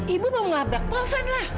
ibu mau labrak taufan lah